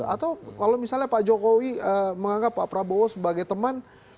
atau kalau misalnya pak jokowi menganggap pak prabowo sebagai teman